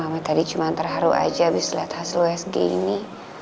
ma tadi cuma terharu saja setelah melihat hasil wsg ini